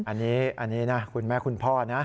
อันนี้นะคุณแม่คุณพ่อนะ